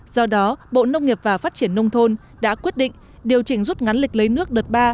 do đó bộ nông nghiệp và phát triển nông thôn đã quyết định điều chỉnh rút ngắn lịch lấy nước đợt ba